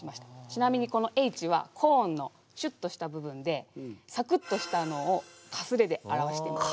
ちなみにこの「Ｈ」はコーンのシュッとした部分でサクッとしたのをかすれで表してます。